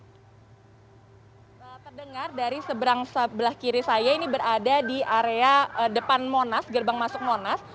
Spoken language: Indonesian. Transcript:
terdengar dari seberang sebelah kiri saya ini berada di area depan monas gerbang masuk monas